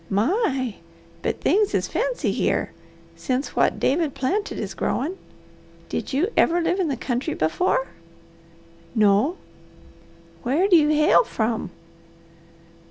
My, but things is fancy here since what David planted is growin'! Did you ever live in the country before?" "No." "Where do you hail from?"